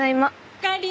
おかえり。